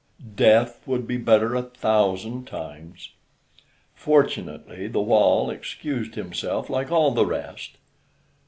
death would be better a thousand times. Fortunately the wall excused himself, like all the rest.